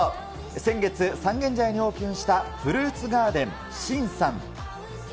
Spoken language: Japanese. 先月、三軒茶屋にオープンしたフルーツガーデン新ＳＵＮ。